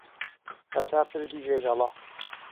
ههتا پردی دێگهڵه